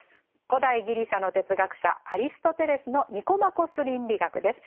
古代ギリシャの哲学者アリストテレスの「ニコマコス倫理学」です。